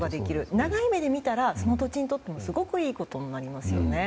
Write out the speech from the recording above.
長い目で見たらその土地にとってすごくいいことになりますね。